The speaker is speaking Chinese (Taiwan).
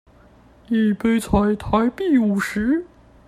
一杯才台幣五十